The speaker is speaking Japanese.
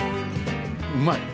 うまい！